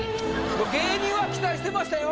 芸人は期待してましたよ。